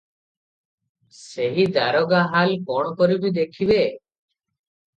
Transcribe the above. ସେହି ଦାରୋଗା ହାଲ କଣ କରିବି, ଦେଖିବେ ।